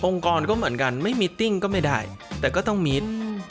กรก็เหมือนกันไม่มีติ้งก็ไม่ได้แต่ก็ต้องมีด